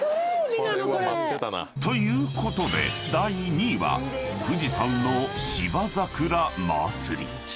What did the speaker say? ［ということで第２位は富士山の芝桜まつり］